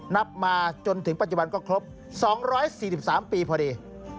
นับมาจนถึงปัจจุบันก็ครบ๒๔๓ปีพอดี